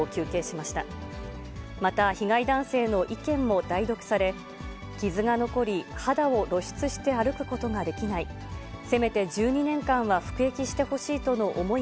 また、被害男性の意見も代読され、傷が残り、肌を露出して歩くことができない。